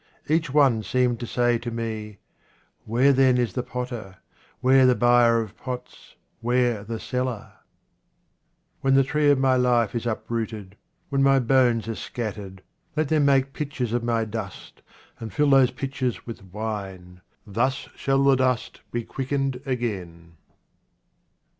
Each one seemed to say to me, " Where then is the potter, where the buyer of pots, where the seller ?" 42 QUATRAINS OF OMAR KHAYYAM When the tree of my life is uprooted, when my bones are scattered, let them make pitchers of my dust, and till those pitchers with wine ; thus shall the dust be quickened again.